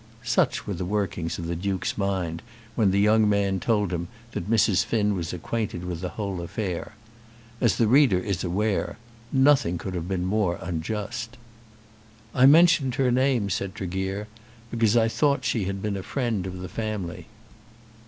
Such were the workings of the Duke's mind when the young man told him that Mrs. Finn was acquainted with the whole affair. As the reader is aware, nothing could have been more unjust. "I mentioned her name," said Tregear, "because I thought she had been a friend of the family."